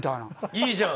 いいじゃん！